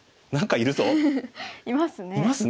いますね。